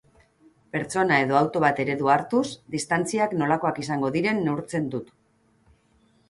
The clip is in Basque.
Pertsona edo auto bat eredu hartuz, distantziak nolakoak izango diren neurtzen dut.